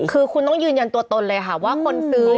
คือคุณต้องยืนยันตัวตนเลยค่ะว่าคนซื้อ